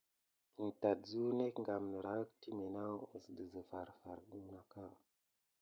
In tät suk nek gam niraki timé naku dezi farfar naka.